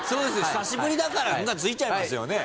久しぶりだから「ん」がついちゃいますよね。